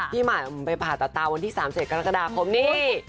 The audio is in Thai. ที่ไปผ่าตาตาวันที่๓เสร็จก็ละกระดาษคมนี้